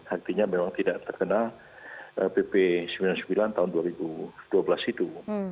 artinya memang tidak terkena pp sembilan puluh sembilan tahun dua ribu dua belas itu